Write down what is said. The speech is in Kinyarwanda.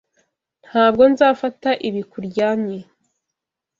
Ntabwo nzafata ibi kuryamye.